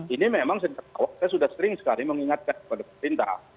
ini memang saya sudah sering sekali mengingatkan kepada pemerintah